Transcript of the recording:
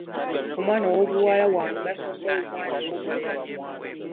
Omwana ow'obuwala wamugaso nga omwana omulenzi.